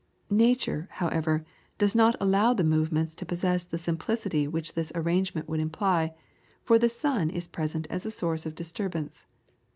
Nature, however, does not allow the movements to possess the simplicity which this arrangement would imply, for the sun is present as a source of disturbance.